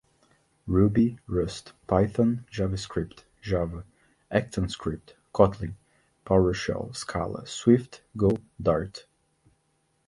Ruby, rust, python, javascript, java, actionscript, kotlin, powershell, scala, swift, go, dart